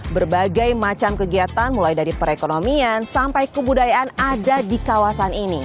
berbagai macam kegiatan mulai dari perekonomian sampai kebudayaan ada di kawasan ini